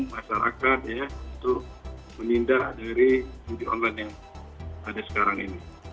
masyarakat ya untuk memindah dari judi online yang ada sekarang ini